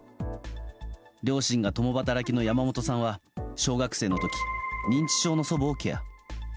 両親が共働きの山本さんは小学生の時認知症の祖母をケア。